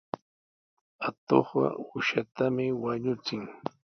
Atuqqa uushatami wañuchin.